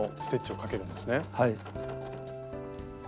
はい。